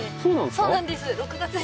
そうなんです。